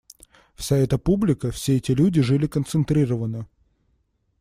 Вся эта публика, все эти люди жили концентрированно.